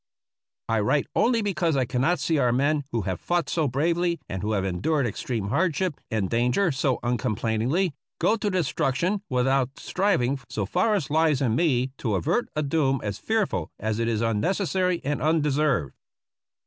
I write only because I cannot see our men, who have fought so bravely and who have endured extreme hardship and danger so uncomplainingly, go to destruction without striving so far as lies in me to avert a doom as fearful as it is unnecessary and undeserved.